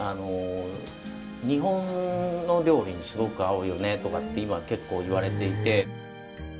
日本の料理にすごく合うよねとかって今結構言われていて。